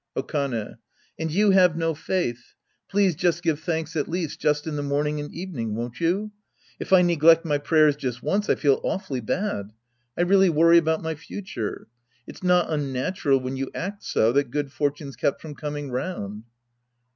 Okane. And you have no faith. Please just give thanks at least just in the morning and evening, won't you ? If I neglect my prayers just once, I feel awfully bad. I really worry about my future. It's not unnatural, when you act so, that good fortune's kept from coming round.